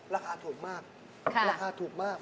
ราคาถูกมาก